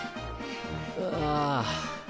ああ。